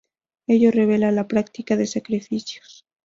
Ello revela la práctica de sacrificios.